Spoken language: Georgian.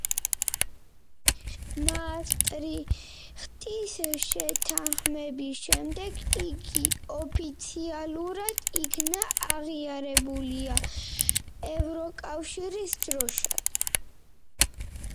მაასტრიხტის შეთანხმების შემდეგ იგი ოფიციალურად იქნა აღიარებულია ევროკავშირის დროშად.